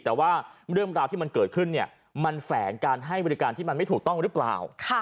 แต่ว่าเรื่องราวที่มันเกิดขึ้นเนี่ยมันแฝงการให้บริการที่มันไม่ถูกต้องหรือเปล่า